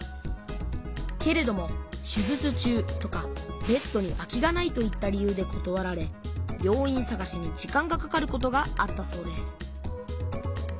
けれども手術中とかベッドに空きがないといった理由でことわられ病院さがしに時間がかかることがあったそうです